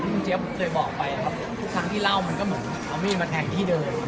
ที่เจฟเคยบอกไปครับทุกครั้งที่เล่ามันก็เหมือนเราไม่มีประแทนที่เดิม